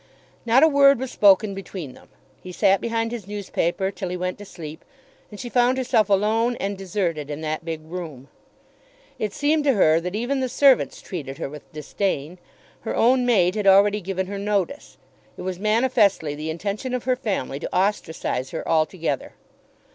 Not a word was spoken between them. He sat behind his newspaper till he went to sleep, and she found herself alone and deserted in that big room. It seemed to her that even the servants treated her with disdain. Her own maid had already given her notice. It was manifestly the intention of her family to ostracise her altogether.